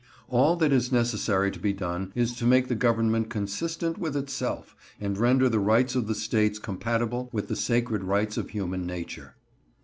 All that is necessary to be done is to make the government consistent with itself, and render the rights of the States compatible with the sacred rights of human nature.